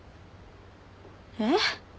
えっ？